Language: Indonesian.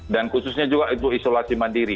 dan khususnya juga itu isolasi mandiri